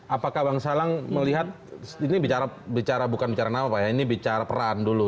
apakah bang salang melihat ini bicara bukan bicara nama pak ya ini bicara peran dulu